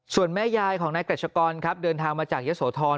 ส่วนแม่ยายของนายกรัชกรครับเดินทางมาจากเยอะโสธร